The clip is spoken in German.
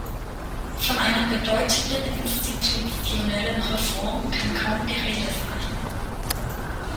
Von einer bedeutenden institutionellen Reform kann kaum die Rede sein.